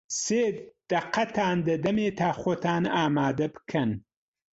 سی دەقەتان دەدەمێ تا خۆتان ئامادە بکەن.